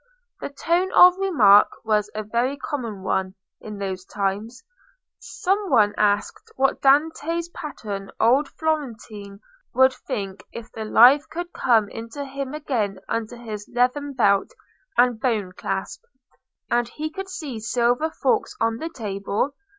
The tone of remark was a very common one in those times. Some one asked what Dante's pattern old Florentine would think if the life could come into him again under his leathern belt and bone clasp, and he could see silver forks on the table?